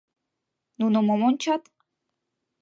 Нуно мом ончат?